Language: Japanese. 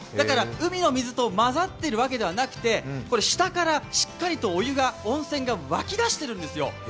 海の水とまざっているわけではなくて下からしっかりとお湯、温泉が湧き出してるんですよ。